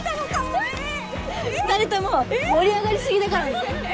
２人とも盛り上がり過ぎだからね。